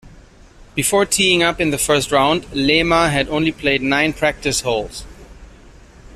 Before teeing up in the first round, Lema had only played nine practice holes.